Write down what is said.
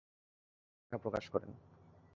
তিনি লেখা প্রকাশ করেন।